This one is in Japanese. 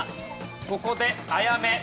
ここであやめ。